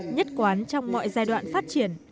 nhất quán trong mọi giai đoạn phát triển